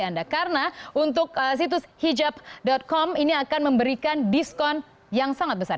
anda karena untuk situs hijab com ini akan memberikan diskon yang sangat besar